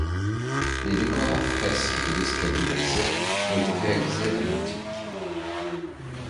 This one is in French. Les décors à fresques de l'escalier d'accès ont été réalisés à l'antique.